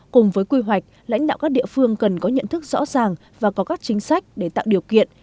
cùng với quy hoạch lãnh đạo các địa phương cần có nhận thức rõ ràng và có các chính sách để tạo điều kiện